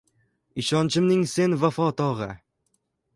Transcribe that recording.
Ishonchimning sen vafo tog’i.